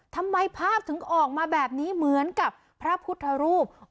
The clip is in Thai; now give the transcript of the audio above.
ทำไมภาพถึงออกมาแบบนี้เหมือนกับพระพุทธรูป